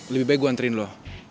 lebih baik gue anterin lo